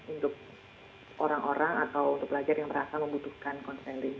untuk orang orang atau untuk pelajar yang merasa membutuhkan konseling